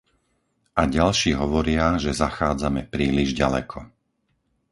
A ďalší hovoria, že zachádzame príliš ďaleko.